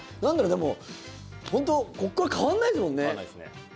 でも本当、ここから変わんないですもんね。